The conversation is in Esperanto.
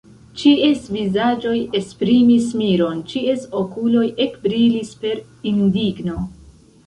Ĉies vizaĝoj esprimis miron, ĉies okuloj ekbrilis per indigno.